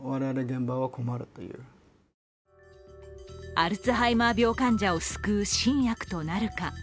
アルツハイマー病患者を救う新薬となるか。